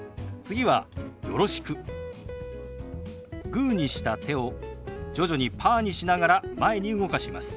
グーにした手を徐々にパーにしながら前に動かします。